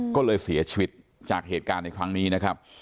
ก็เลยเสียชีวิตจากเหตุการณ์ในครั้งนี้นะครับ